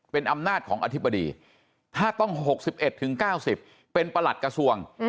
เป็นอำนาจของอธิบดีถ้าต้อง๖๑๙๐เป็นประหลัดกระทรวง